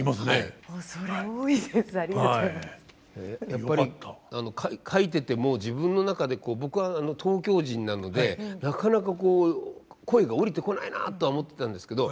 やっぱり書いてても自分の中で僕は東京人なのでなかなか声が降りてこないなとは思ってたんですけど